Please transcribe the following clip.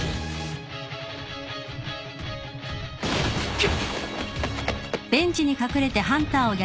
くっ。